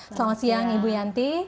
selamat siang ibu yanti